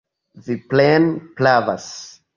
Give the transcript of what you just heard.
Vi plene pravas.